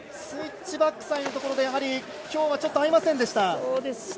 スイッチバックサイドのところで、やはり今日はちょっと合いませんでした。